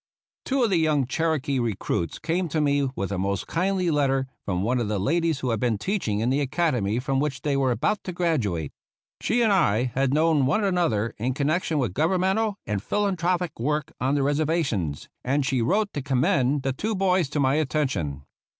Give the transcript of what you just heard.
Two of the young Cherokee recruits came to me with a most kindly letter from one of the ladies who had been teaching in the academy from which they were about to graduate. She and I had known one another in connection with Governmental and philanthropic work on the res ervations, and she wrote to commend the two boys to my attention.